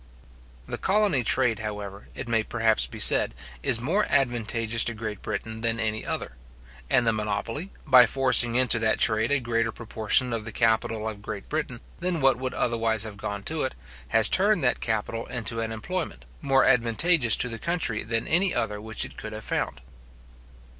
The colony trade, however, it may perhaps be said, is more advantageous to Great Britain than any other; and the monopoly, by forcing into that trade a greater proportion of the capital of Great Britain than what would otherwise have gone to it, has turned that capital into an employment, more advantageous to the country than any other which it could have found.